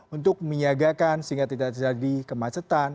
untuk menyiagakan sehingga tidak terjadi kemacetan